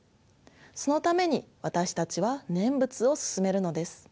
そのために私たちは「念仏」を勧めるのです。